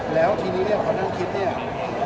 แล้วทีนี้เนี่ยพอนั่งคิดเนี่ย